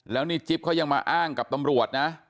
แล้วนี่จิ๊บเขายังมาอ้างกับตำรวจนะ